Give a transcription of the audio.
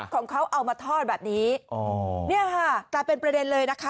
ของเขาเอามาทอดแบบนี้อ๋อเนี่ยค่ะกลายเป็นประเด็นเลยนะคะ